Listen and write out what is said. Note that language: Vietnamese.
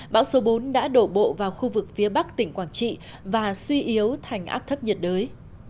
bão số bốn đã đổ bộ vào khu vực phía bắc tỉnh quảng trị và suy yếu thành áp thấp nhiệt đới